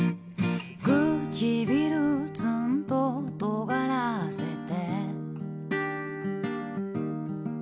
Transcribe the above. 「くちびるつんと尖らせて」